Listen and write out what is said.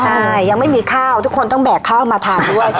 ใช่ยังไม่มีข้าวทุกคนต้องแบกข้าวมาทานด้วย